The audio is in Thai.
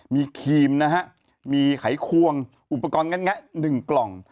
มีครีมนะฮะมีไขควงอุปกรณ์แงะ๑กล่อง